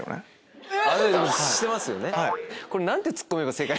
してますよね。